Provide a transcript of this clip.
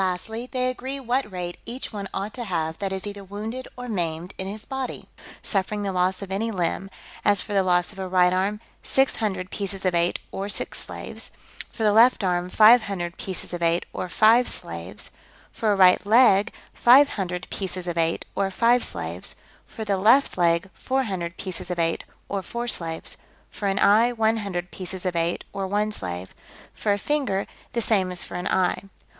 Lastly, they agree what rate each one ought to have that is either wounded or maimed in his body, suffering the loss of any limb; as, for the loss of a right arm, six hundred pieces of eight, or six slaves; for the left arm, five hundred pieces of eight, or five slaves; for a right leg, five hundred pieces of eight, or five slaves; for the left leg, four hundred pieces of eight, or four slaves; for an eye, one hundred pieces of eight, or one slave; for a finger, the same as for an eye.